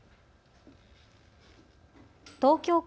東京